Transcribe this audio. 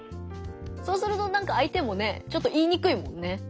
そうするとなんか相手もねちょっと言いにくいもんね。